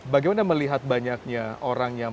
bagaimana melihat banyaknya orang yang